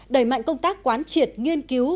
đẩy mạnh công tác quán triệt nghiên cứu